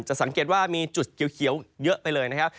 สังเกตว่ามีจุดเขียวเยอะไปเลยนะครับ